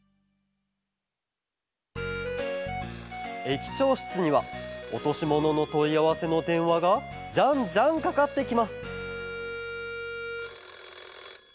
駅長しつにはおとしもののといあわせのでんわがじゃんじゃんかかってきます